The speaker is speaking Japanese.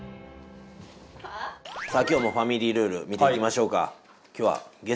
さあ今日もファミリールール見ていきましょうか。